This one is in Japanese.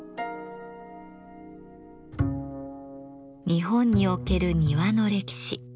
日本における庭の歴史。